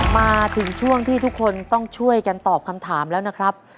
มาถึงช่วงที่ทุกคนต้องช่วยกันตอบคำถามแล้วนะครับ